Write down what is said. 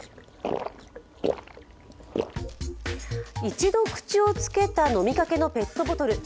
一度、口をつけた飲みかけのペットボトル。